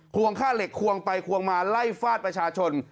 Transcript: วงค่าเหล็กควงไปควงมาไล่ฟาดประชาชน